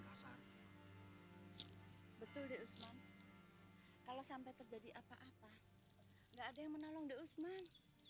enggak ada yang menolong dik usman